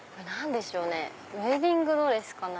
ウエディングドレスかな？